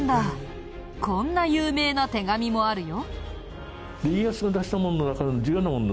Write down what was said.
こんな有名な手紙もあるよ。